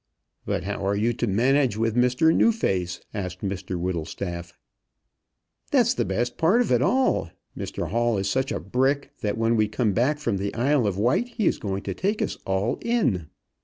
"But how are you to manage with Mr Newface?" asked Mr Whittlestaff. "That's the best part of it all. Mr Hall is such a brick, that when we come back from the Isle of Wight he is going to take us all in."